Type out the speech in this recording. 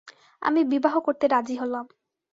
আমি বিবাহ করতে রাজি হলাম!